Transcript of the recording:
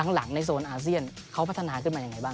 หลังในโซนอาเซียนเขาพัฒนาขึ้นมายังไงบ้าง